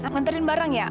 nganterin barang ya